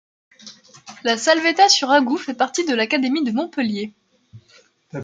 La Salvetat-sur-Agoût fait partie de l'académie de Montpellier.